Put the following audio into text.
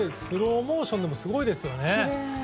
スローモーションでもすごいですよね。